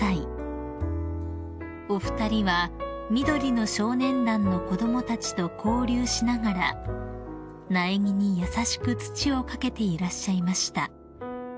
［お二人は緑の少年団の子供たちと交流しながら苗木に優しく土を掛けていらっしゃいました］